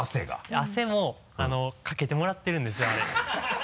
汗もかけてもらってるんですよあれ。